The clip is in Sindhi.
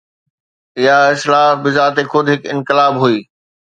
اها اصلاح بذات خود هڪ انقلاب هئي.